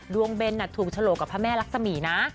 เบนถูกฉลกกับพระแม่รักษมีนะ